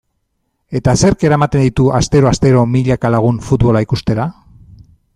Eta zerk eramaten ditu astero-astero milaka lagun futbola ikustera?